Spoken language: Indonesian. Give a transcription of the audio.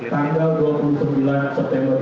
tanggal dua puluh sembilan september dua ribu tujuh belas